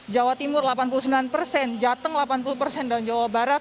jawa timur delapan puluh sembilan persen jateng delapan puluh persen dan jawa barat